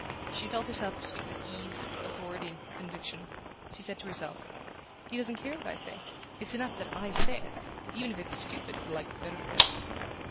She felt herself speak with ease, authority, conviction. She said to herself: "He doesn't care what I say it's enough that I say it even if it's stupid he'll like me better for it..."